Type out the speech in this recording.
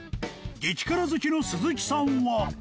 激辛好きの鈴木さんは